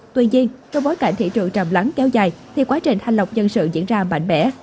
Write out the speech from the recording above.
tuy nhiên trong bối cảnh thị trường trầm lắng kéo dài thì quá trình thanh lọc dân sự diễn ra mạnh mẽ